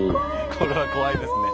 これは怖いですね。